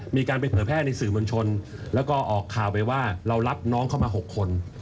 มีการไปเผยแพร่ในสื่อมวลชนแล้วก็ออกข่าวไปว่าเรารับน้องเข้ามา๖คน